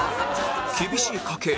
厳しい家計